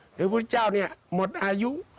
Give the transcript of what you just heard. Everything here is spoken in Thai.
หรือพระพุทธเจ้าเนีย่่อหมดอายุ